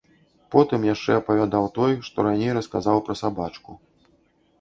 Потым яшчэ апавядаў той, што раней расказаў пра сабачку.